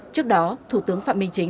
trước đó thủ tướng phạm minh chính